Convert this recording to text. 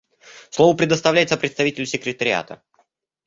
Слово предоставляется представителю Секретариата.